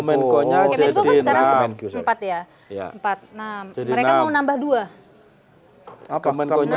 kemenko kan sekarang empat ya